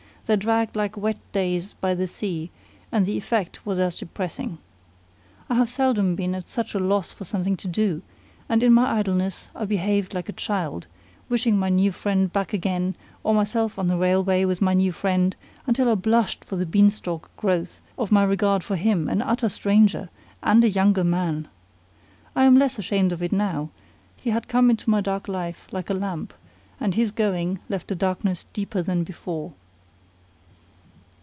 They dragged like wet days by the sea, and the effect was as depressing. I have seldom been at such a loss for something to do; and in my idleness I behaved like a child, wishing my new friend back again, or myself on the railway with my new friend, until I blushed for the beanstalk growth of my regard for him, an utter stranger, and a younger man. I am less ashamed of it now: he had come into my dark life like a lamp, and his going left a darkness deeper than before.